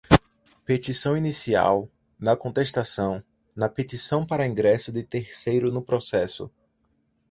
petição inicial, na contestação, na petição para ingresso de terceiro no processo